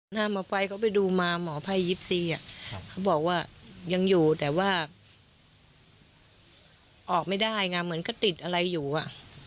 หน้าหมอไฟเขาไปดูมาหมอไพ่๒๔เขาบอกว่ายังอยู่แต่ว่าออกไม่ได้ไงเหมือนก็ติดอะไรอยู่อ่ะ